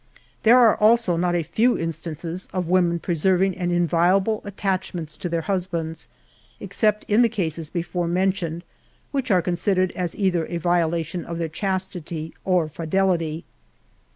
There are also, not a few instances of women preserving an inviolable attachments to their husbands, except in the cases before mentioned, which are considered as either a violation of their chastity or fidelity.